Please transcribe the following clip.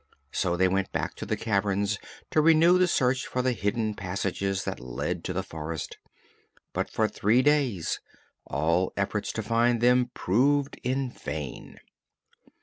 So they went back to the caverns to renew the search for the hidden passages that led to the forest, but for three days all efforts to find them proved in vain.